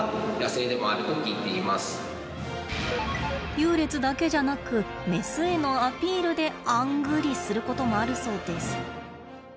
優劣だけじゃなくメスへのアピールであんぐりすることもあるそうです。